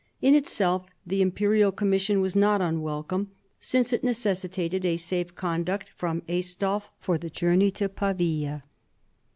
In itself the Imperial Commission was not unwelcome, since it necessitated a safe conduct from Aistulf for the journey to Pavia.